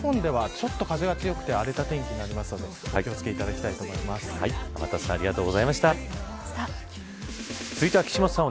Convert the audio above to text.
特に北日本ではちょっと風が強くて荒れた天気になるのでお気を付けいただきたいと天達さんありがとうございました。